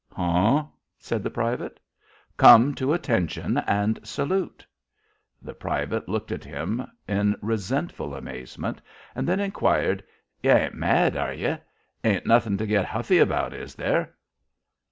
"Huh!" said the private. "Come to attention and salute." The private looked at him in resentful amazement, and then inquired: "Ye ain't mad, are ye? Ain't nothin' to get huffy about, is there?"